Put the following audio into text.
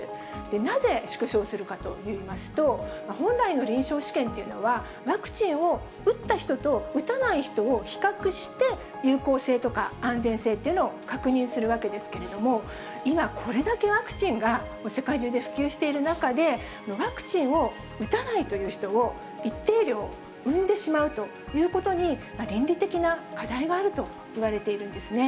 なぜ縮小するかと言いますと、本来の臨床試験というのは、ワクチンを打った人と打たない人を比較して、有効性とか、安全性というのを確認するわけですけれども、今これだけワクチンが世界中で普及している中で、ワクチンを打たないという人を一定量生んでしまうということに、倫理的な課題があるといわれているんですね。